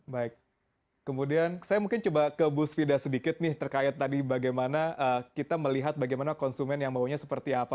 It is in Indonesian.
baik kemudian saya mungkin coba ke bu svida sedikit nih terkait tadi bagaimana kita melihat bagaimana konsumen yang maunya seperti apa